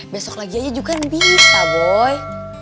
besok lagi aja juga bisa boy